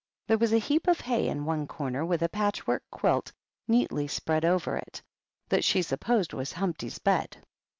There was a heap of hay in one corner, with a patchwork quilt neatly spread over it, that she supposed was Humpty's bed.